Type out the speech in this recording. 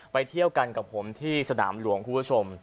เที่ยวกันกับผมที่สนามหลวงคุณผู้ชม